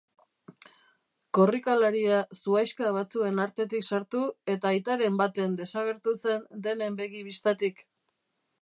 Korrikalaria zuhaixka batzuen artetik sartu eta aitaren baten desagertu zen denen begi bistatik.